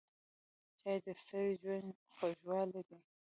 چای د ستړي ژوند خوږوالی دی.